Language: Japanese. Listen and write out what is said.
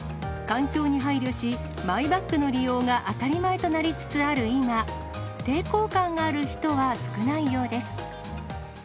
環境に配慮し、マイバッグの利用が当たり前となりつつある今、抵抗感のある人は少ないようです。